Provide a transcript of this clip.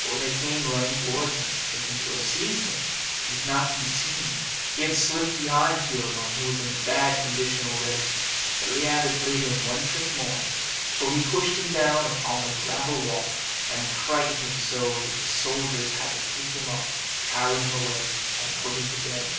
But when they came running towards him, thinking to have seized him, he was not to be seen; he had slipped behind Furibon, who was in a bad condition already. But Leander played him one trick more; for he pushed him down upon the gravel walk, and frightened him so that the soldiers had to take him up, carry him away, and put him to bed.